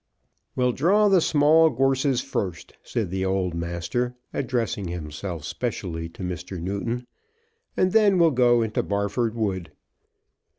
"We'll draw the small gorses first," said the old master, addressing himself specially to Mr. Newton, "and then we'll go into Barford Wood."